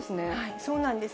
そうなんです。